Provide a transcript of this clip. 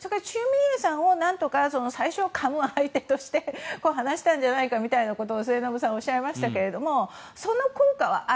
チュ・ミエさんを何とか最初の相手として話したんじゃないかみたいなことを末延さん、おっしゃいましたがその効果はある。